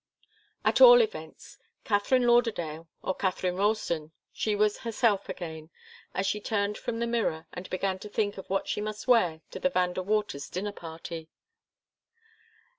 At all events, Katharine Lauderdale, or Katharine Ralston, she was herself again, as she turned from the mirror and began to think of what she must wear at the Van De Waters' dinner party.